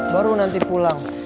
baru nanti pulang